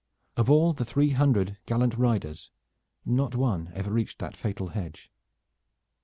Of all the three hundred gallant riders, not one ever reached that fatal hedge.